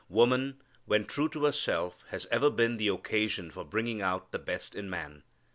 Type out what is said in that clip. Woman, when true to herself, has ever been the occasion for bringing out the best in man.